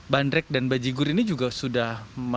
bandrek dan bajigur ini juga sudah